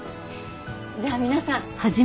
じゃあ皆さん。